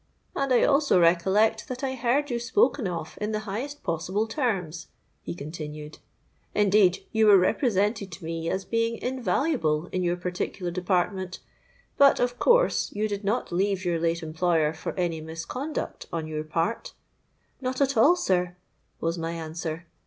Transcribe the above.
'And I also recollect that I heard you spoken of in the highest possible terms,' he continued; 'indeed, you were represented to me as being invaluable in your particular department. But, of course, you did not leave your late employer for any misconduct on your part?'—'Not at all, sir,' was my answer.